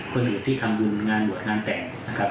คนอื่นที่ทำบุญงานบวชงานแต่งนะครับ